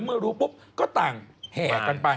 เมื่อรู้ปุ๊บก็ต่างแห่กันไป